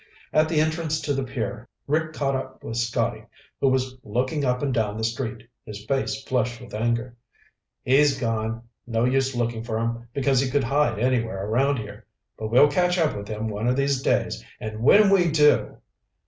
At the entrance to the pier, Rick caught up with Scotty who was looking up and down the street, his face flushed with anger. "He's gone. No use looking for him because he could hide anywhere around here. But we'll catch up with him one of these days, and when we do